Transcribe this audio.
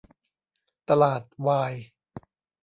ตลาดวาย